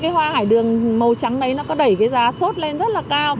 cái hoa hải đường màu trắng đấy nó có đẩy cái giá sốt lên rất là cao